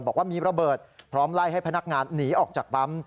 บอกว่ามีระเบิดพร้อมไล่ให้พนักงานหนีออกจากปั๊ม